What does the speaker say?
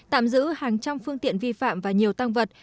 tạm giữ hàng trăm phương tiện vi phạm và nhiều tăng vật